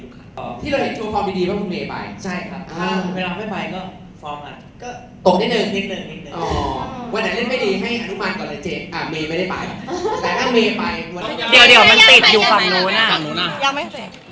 ก็ตกนิดหนึ่ง